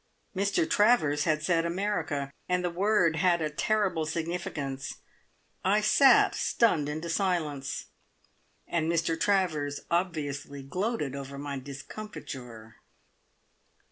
Mr Travers had said "America," and the word had a terrible significance. I sat stunned into silence, and Mr Travers obviously gloated over my discomfiture.